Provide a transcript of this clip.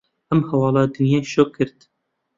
ئەم هەواڵە دنیای شۆک کرد.